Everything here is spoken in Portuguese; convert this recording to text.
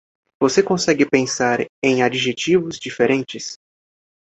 Você consegue pensar em adjetivos diferentes?